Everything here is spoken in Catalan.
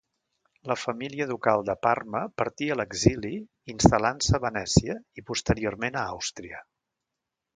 La família ducal de Parma partí a l'exili instal·lant-se a Venècia i posteriorment a Àustria.